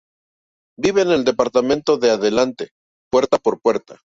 Vive en el apartamento de delante, puerta por puerta.